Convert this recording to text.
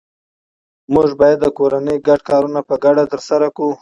موږ باید د کورنۍ ګډ کارونه په ګډه ترسره کړو